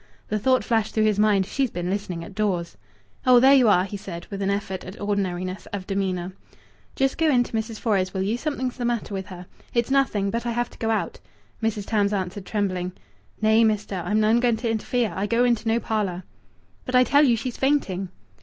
The thought flashed through his mind. "She's been listening at doors." "Oh! There you are," he said, with an effort at ordinariness of demeanour. "Just go in to Mrs. Fores, will you? Something's the matter with her. It's nothing, but I have to go out." Mrs. Tams answered, trembling: "Nay, mester, I'm none going to interfere. I go into no parlour." "But I tell you she's fainting."